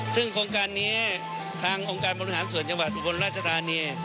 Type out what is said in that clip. ซึ่งโครงการนี้ทางองค์การบริหารส่วนจังหวัดอุบลราชธานี